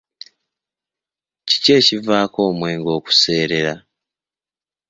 Kiki ekivaako omwenge okuseerera?